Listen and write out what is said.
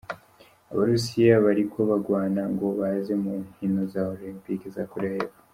Abarusiya bariko bagwana ngo baje mu nkino za Olympique za Korea Yepfo.